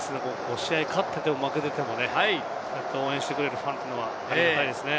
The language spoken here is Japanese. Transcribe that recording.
試合勝っていても負けていても応援してくれるというファンはありがたいですね。